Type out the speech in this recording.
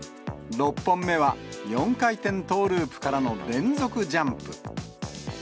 ６本目は４回転トーループからの連続ジャンプ。